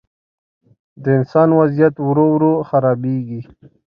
د انسان وضعیت ورو، ورو خرابېږي.